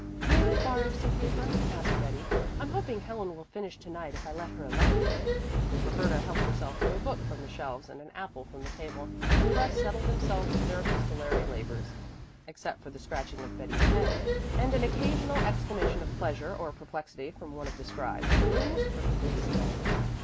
"May I borrow some paper?" asked Betty. "I'm hoping Helen will finish to night if I let her alone." Roberta helped herself to a book from the shelves and an apple from the table, and the rest settled themselves to their epistolary labors. Except for the scratching of Betty's pen, and an occasional exclamation of pleasure or perplexity from one of the scribes, the room was perfectly still.